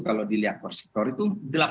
kalau dilihat perseptor itu